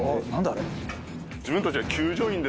あれ。